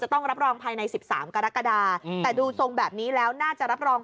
ต้องรับรองภายใน๑๓กรกฎาแต่ดูทรงแบบนี้แล้วน่าจะรับรอง